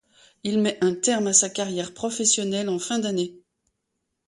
Il met un terme à sa carrière professionnelle en fin d'année.